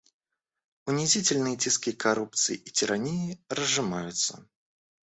Унизительные тиски коррупции и тирании разжимаются.